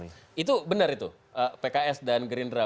itu benar itu pks dan gerindra